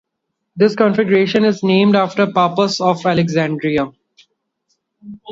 This configuration is named after Pappus of Alexandria.